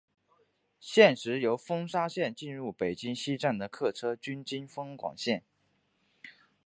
现时由丰沙线进入北京西站的客车均经丰广线。